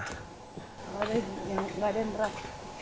yang paling yang gak ada yang berat